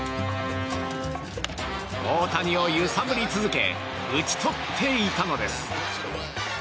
大谷を揺さぶり続け打ち取っていたのです。